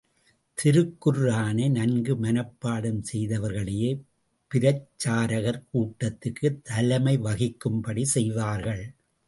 திருக்குர்ஆனை நன்கு மனப்பாடம் செய்தவர்களையே பிரச்சாரகர் கூட்டத்துக்குத் தலைமை வகிக்கும்படி செய்வார்கள்.